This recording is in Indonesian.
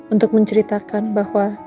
untuk menceritakan bahwa